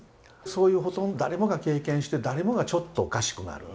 そういう誰もが経験して誰もがちょっとおかしくなる。